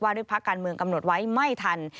ด้วยพักการเมืองกำหนดไว้ไม่ทัน